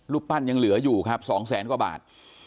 รูปปั้นยังเหลืออยู่ครับ๒๐๐๐๐๐กว่าบาท